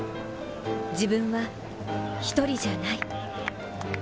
自分は１人じゃない。